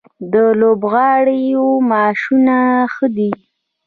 د لوبغاړو معاشونه ښه دي؟